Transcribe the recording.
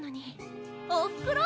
おふくろ！